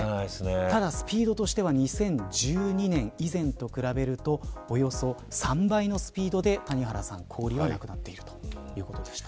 ただ、スピードとしては２０１２年以前と比べるとおよそ３倍のスピードで氷がなくなっているということでした。